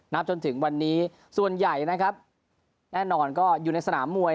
นับจนถึงวันนี้ส่วนใหญ่แน่นอนก็อยู่ในสนามมวย